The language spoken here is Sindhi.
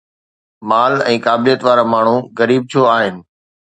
مال ۽ قابليت وارا ماڻهو غريب ڇو آهن؟